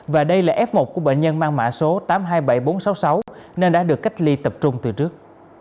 và đây là f một của bệnh nhân mang mã số tám trăm hai mươi bảy nghìn bốn trăm sáu mươi sáu nên đã được cách ly tập trung từ trước